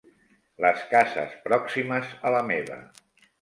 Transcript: Les cases pròximes a la meva.